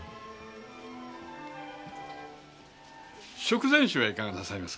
食前酒はいかがなさいますか？